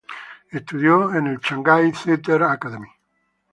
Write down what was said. Estudió en el "Shanghai Theatre Academy".